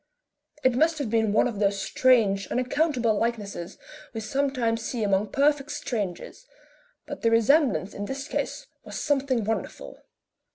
It most have been one of those strange, unaccountable likenesses we sometimes see among perfect strangers, but the resemblance in this ease was something wonderful.